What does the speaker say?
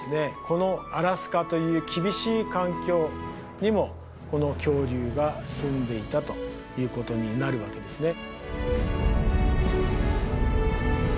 このアラスカという厳しい環境にもこの恐竜が住んでいたということになるわけですね。